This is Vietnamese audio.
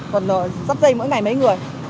rất rồi sắp dây mỗi ngày mấy người